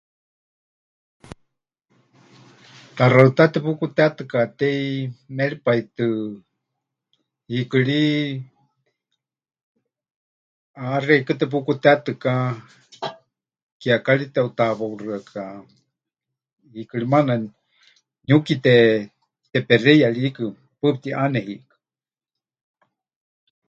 Taxaɨtá tepukutetɨkatei méripai tɨ, hiikɨ ri ʼaxeikɨ́a tepukutetɨka kiekari teutawauxɨaka, hiiki ri maana niuki tepexeiya ri hiikɨ, paɨ pɨtiʼane hiikɨ.